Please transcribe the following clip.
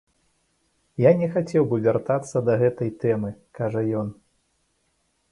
Я не хацеў бы вяртацца да гэтай тэмы, кажа ён.